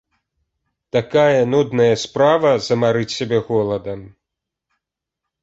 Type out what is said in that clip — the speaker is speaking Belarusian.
Такая нудная справа, замарыць сябе голадам!